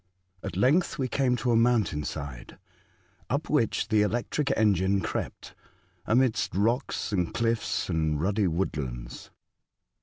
AT length we came to a mountain side, up which the electric engine crept, amidst rocks and cliffs and ruddy woodlands.